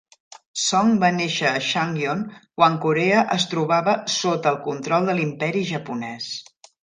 Song va néixer a Changnyeong quan Corea es trobava sota el control de l'Imperi Japonès.